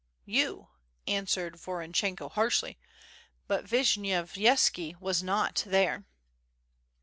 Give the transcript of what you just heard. "You," answered Voronchenko harshly, "but Vishnyovy etski was not there."